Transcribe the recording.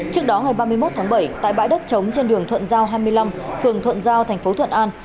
trước đó ngày ba mươi một tháng bảy tại bãi đất trống trên đường thuận giao hai mươi năm phường thuận giao thành phố thuận an